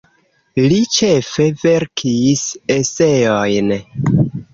Li ĉefe verkis eseojn.